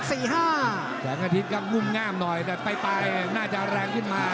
แสงอาทิตย์ครับงุ่มงามหน่อยแต่ไปน่าจะแรงขึ้นมา